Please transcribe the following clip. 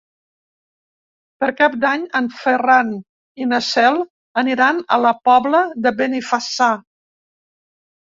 Per Cap d'Any en Ferran i na Cel aniran a la Pobla de Benifassà.